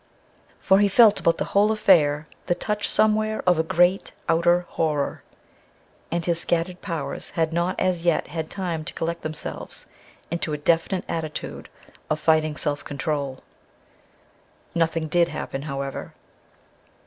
For he felt about the whole affair the touch somewhere of a great Outer Horror ... and his scattered powers had not as yet had time to collect themselves into a definite attitude of fighting self control. Nothing did happen, however.